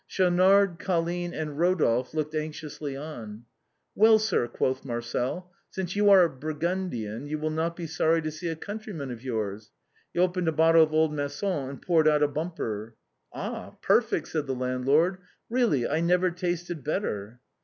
Schaunard, Colline, and Eodolphe looked anxiously on. "' Well, sir," quoth Marcel, " since you are a Burgundian, you will not be sorry to see a countryman of yours." He opened a bottle of old Macon, and poured out a bumper. " Ah ! perfect," said the landlord. "Eeally, I never tasted better."